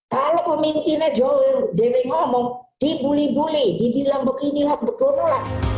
kalau pemimpinnya joe dewi ngomong dibuli buli dibilang beginilah betul lah